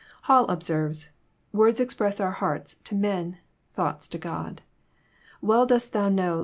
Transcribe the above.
Hall observes :" Words express our hearts to men, thoughts to God. Well didst Thou know.